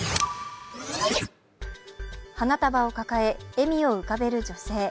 花束を抱え、笑みを浮かべる女性。